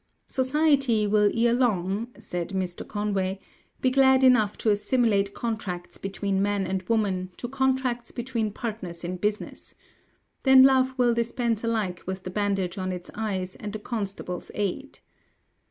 "Society will ere long," said Mr. Conway, "be glad enough to assimilate contracts between man and woman to contracts between partners in business. Then love will dispense alike with the bandage on its eyes and the constable's aid."